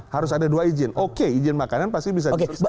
harus ada dua izin oke izin makanan pasti bisa diberikan